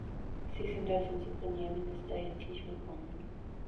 Sie sind als unser Premierminister herzlich willkommen.